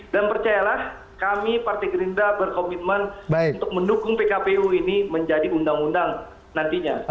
dan percayalah kami partai gerindra berkomitmen untuk mendukung pkpu ini menjadi undang undang nantinya